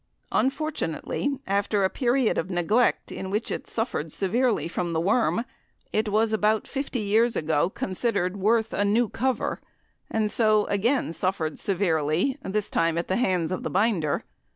Unfortunately, after a period of neglect in which it suffered severely from the "worm," it was about fifty years ago considered worth a new cover, and so again suffered severely, this time at the hands of the binder.